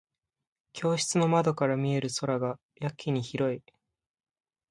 教室の窓から見える空がやけに広い。